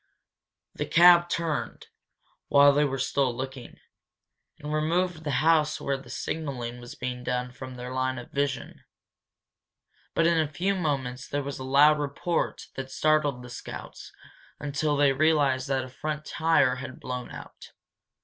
The cab turned, while they were still looking, and removed the house where the signalling was being done from their line of vision. But in a few moments there was a loud report that startled the scouts until they realized that a front tire had blown out.